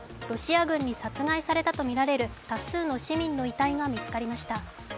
ロシア軍に殺害されたとみられる多数の市民の遺体が見つかりました。